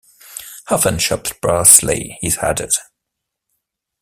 Often chopped parsley is added.